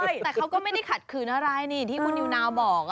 ใช่แต่เขาก็ไม่ได้ขัดขืนอะไรนี่ที่คุณนิวนาวบอก